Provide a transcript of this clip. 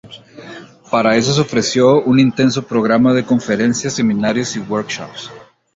Para eso se ofreció un intenso programa de conferencias, seminarios y workshops.